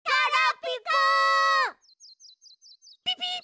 ピピッ！